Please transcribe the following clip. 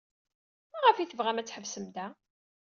Maɣef ay tebɣam ad tḥebsem da?